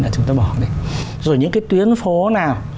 là chúng ta bỏ đi rồi những cái tuyến phố nào